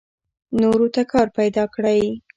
نورو ته کار پیدا کړئ.